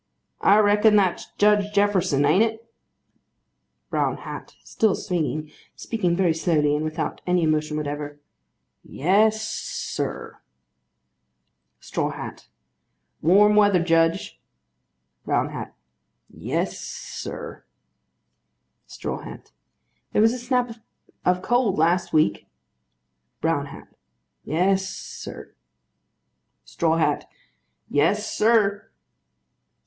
I reckon that's Judge Jefferson, an't it? BROWN HAT. (Still swinging; speaking very slowly; and without any emotion whatever.) Yes, sir. STRAW HAT. Warm weather, Judge. BROWN HAT. Yes, sir. STRAW HAT. There was a snap of cold, last week. BROWN HAT. Yes, sir. STRAW HAT. Yes, sir.